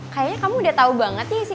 kayanya kamu udah tau banget nih sih